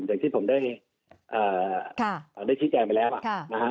อย่างที่ผมได้ชี้แจงไปแล้วนะฮะ